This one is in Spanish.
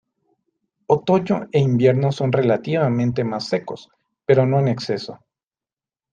Otoño e invierno son relativamente más secos, pero no en exceso.